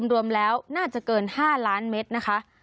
รวมแล้วน่าจะเกิน๕ล้านเมตรนะคะ